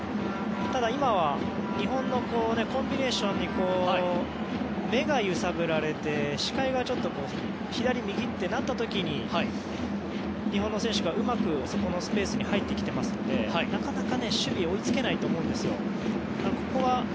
ただ、今は日本のコンビネーションに目が揺さぶられて視界がちょっと左、右になった時に日本の選手が、うまくそのスペースに入ってきてますのでなかなか守備が追い付けないと思うんですよ。